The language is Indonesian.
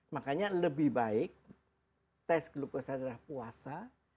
makanya lebih baik tes glukosa darah puasa